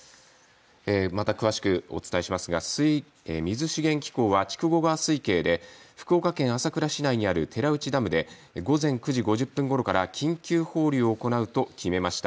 また詳しくお伝えしますが水資源機構は筑後川水系で福岡県朝倉市内にある寺内ダムで午前９時５０分ごろから緊急放流を行うと決めました。